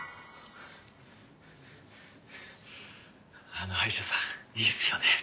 あの歯医者さんいいっすよね。